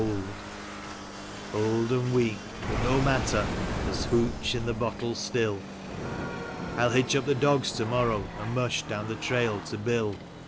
" Old and weak, but no matter, there's ' hooch ' in the bottle still. I'll hitch up the dogs to morrow, and mush down the trail to Bill.